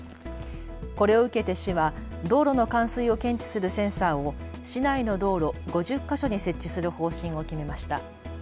これを受けて市は道路の冠水を検知するセンサーを市内の道路５０か所に設置する方針を決めました。